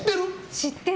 知ってる？